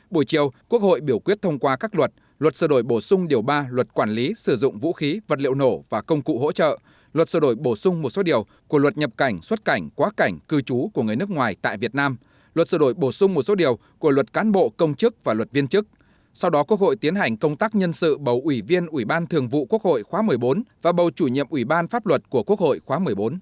buổi chiều quốc hội biểu quyết thông qua các luật luật sửa đổi bổ sung điều ba luật quản lý sử dụng vũ khí vật liệu nổ và công cụ hỗ trợ luật sửa đổi bổ sung một số điều của luật nhập cảnh xuất cảnh quá cảnh cư trú của người nước ngoài tại việt nam luật sửa đổi bổ sung một số điều của luật cán bộ công chức và luật viên chức sau đó quốc hội tiến hành công tác nhân sự bầu ủy viên ủy ban thường vụ quốc hội khóa một mươi bốn và bầu chủ nhiệm ủy ban pháp luật của quốc hội khóa một mươi bốn